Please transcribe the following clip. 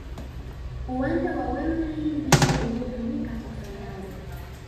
uwanja wa Wembley ndiyo uliotumika kwa fanali